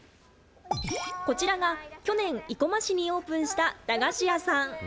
こちらが、去年、生駒市にオープンした駄菓子屋さん。